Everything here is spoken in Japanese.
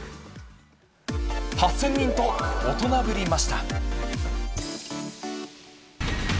８０００人と大人振りました。